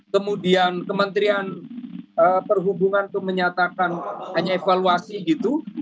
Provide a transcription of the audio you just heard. kemudian kementerian perhubungan itu menyatakan hanya evaluasi gitu